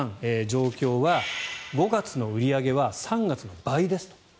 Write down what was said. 状況は５月の売り上げは３月の倍ですと。